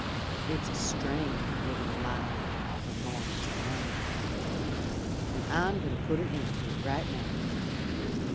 It's a strain livin' a lie from mornin' till night, An' I'm goin' to put an end to it right now.